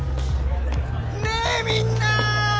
ねえみんな！